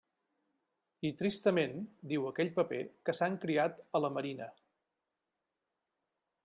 I tristament, diu aquell paper, que s'han criat a la Marina.